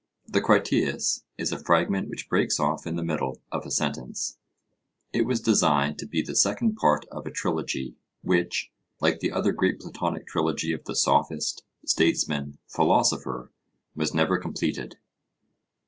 The Critias is a fragment which breaks off in the middle of a sentence. It was designed to be the second part of a trilogy, which, like the other great Platonic trilogy of the Sophist, Statesman, Philosopher, was never completed.